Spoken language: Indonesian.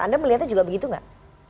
anda melihatnya juga begitu nggak